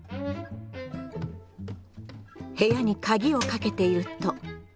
部屋に鍵をかけていると。